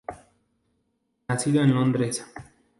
Nacido en Londres.